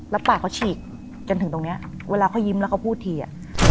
แล้วปากเขาฉีกจนถึงตรงนี้เวลาเขายิ้มแล้วเขาพูดที